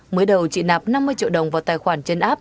mới đầu chị nạp năm mươi triệu đồng vào tài khoản trên app